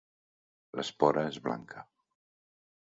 L'espora és blanca.